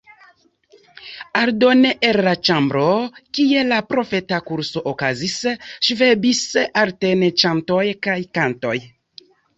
Aldone el la ĉambro, kie la profeta kurso okazis, ŝvebis alterne ĉantoj kaj kantoj.